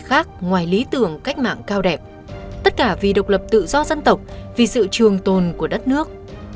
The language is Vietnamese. khác ngoài lý tưởng cách mạng cao đẹp tất cả vì độc lập tự do dân tộc vì sự trường tồn của đất nước